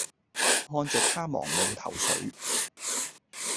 看著她茫無頭緒